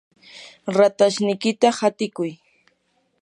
ratashniykita hatiykuy.